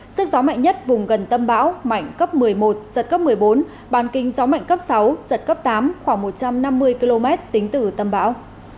sức gió mạnh nhất vùng gần tâm bão mạnh cấp một mươi một giật cấp một mươi bốn bàn kinh gió mạnh cấp sáu giật cấp tám khoảng một trăm năm mươi km tính từ tâm bão